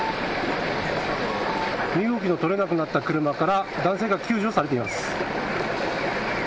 身動きの取れなくなった車から男性が救助されています。